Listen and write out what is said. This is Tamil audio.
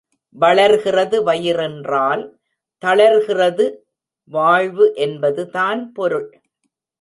வளர்கிறது வயிறென்றால, தளர்கிறது வாழ்வு என்பது தான் பொருள்.